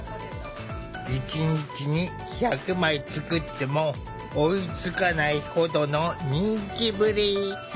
一日に１００枚作っても追いつかないほどの人気ぶり！